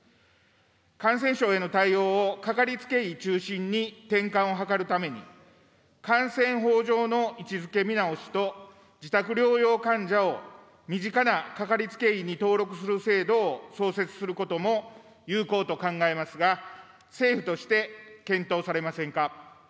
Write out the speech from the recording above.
感染症への対応を、かかりつけ医中心に転換を図るために、感染法上の位置づけ見直しと、自宅療養患者を身近なかかりつけ医に登録する制度を創設することも有効と考えますが、政府として、検討されませんか。